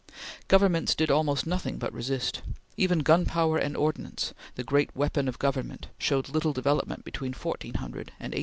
Governments did almost nothing but resist. Even gunpowder and ordnance, the great weapon of government, showed little development between 1400 and 1800.